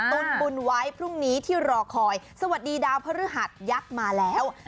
ตุ้นบุญไว้พรุ่งนี้ที่รอคอยสวัสดีดาวพฤหัสยักษ์มาแล้ว